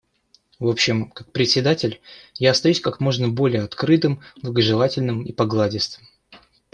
В общем, как Председатель, я остаюсь как можно более открытым, благожелательным и покладистым.